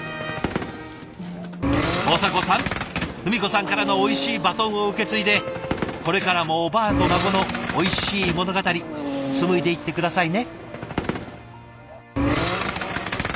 大迫さん文子さんからのおいしいバトンを受け継いでこれからもおばあと孫のおいしい物語紡いでいって下さいね。